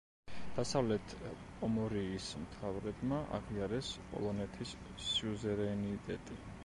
დასავლეთ პომორიის მთავრებმა აღიარეს პოლონეთის სიუზერენიტეტი.